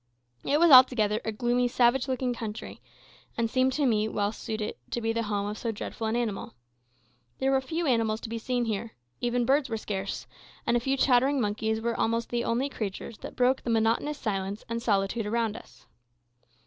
It was altogether a gloomy, savage looking country, and seemed to me well suited to be the home of so dreadful an animal. There were few animals to be seen here. Even birds were scarce, and a few chattering monkeys were almost the only creatures that broke the monotonous silence and solitude around us.